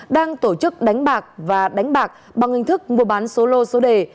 đang tổ chức đánh bạc và đánh bạc bằng hình thức mua bán số lô số đề